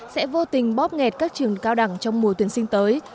sẽ vô tình bóp nghẹt các trường cao đẳng trong mùa tuyển sinh tới